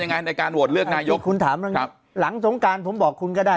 ในการโหวตเลือกนายกคุณถามเรื่องนี้หลังสงการผมบอกคุณก็ได้